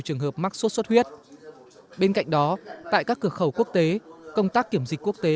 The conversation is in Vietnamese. trường hợp mắc sốt xuất huyết bên cạnh đó tại các cửa khẩu quốc tế công tác kiểm dịch quốc tế